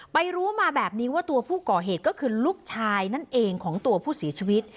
รู้มาแบบนี้ว่าตัวผู้ก่อเหตุก็คือลูกชายนั่นเองของตัวผู้เสียชีวิต